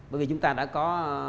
bởi vì chúng ta đã có